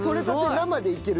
生でいける？